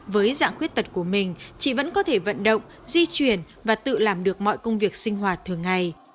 với dạng khuyết tật của mình chị vẫn có thể vận động di chuyển và tự làm được mọi công việc sinh hoạt thường ngày